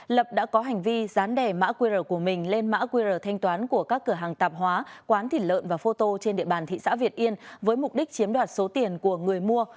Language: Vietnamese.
lập đã có hành vi dán đè mã qr của mình lên mã qr thanh toán của các cửa hàng tạp hóa quán thịt lợn và photo trên địa bàn thị xã việt yên với mục đích chiếm đoạt số tiền của người mua